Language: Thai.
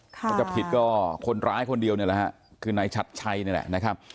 ถ้าจะผิดก็คนร้ายคนเดียวนี่แหละฮะคือนายชัดชัยนี่แหละนะครับ